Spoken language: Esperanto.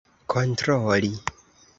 kontroli